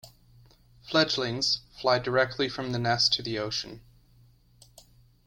Fledglings fly directly from the nest to the ocean.